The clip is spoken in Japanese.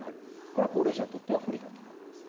これは高齢者にとっては不利だと思います。